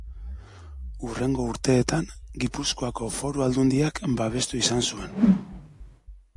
Hurrengo urteetan Gipuzkoako Foru Aldundiak babestu izan zuen.